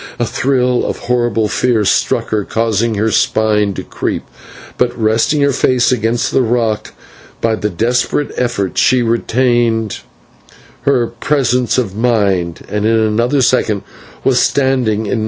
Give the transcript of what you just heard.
A thrill of horrible fear struck her, causing her spine to creep, but, resting her face against the rock, by a desperate effort she retained her presence of mind, and in another second was standing in No.